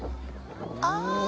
ああ！